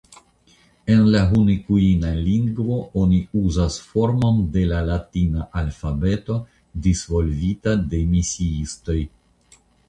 En la hunikuina lingvo oni uzas formon de la latina alfabeto disvolvita de misiistoj.